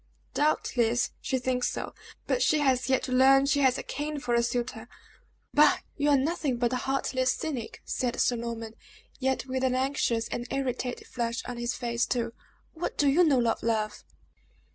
"Doubtless she thinks so; but she has yet to learn she has a king for a suitor!" "Bah! You are nothing but a heartless cynic," said Sir Norman, yet with an anxious and irritated flush on his face, too: "What do you know of love?"